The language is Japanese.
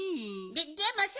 ででもさ